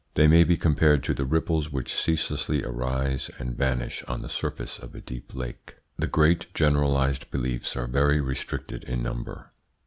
They may be compared to the ripples which ceaselessly arise and vanish on the surface of a deep lake. The great generalised beliefs are very restricted in number.